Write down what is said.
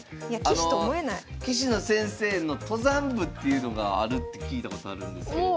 あの棋士の先生の登山部っていうのがあるって聞いたことあるんですけれども。